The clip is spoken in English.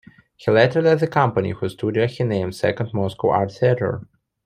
He later led the company whose studio he named Second Moscow Art Theatre.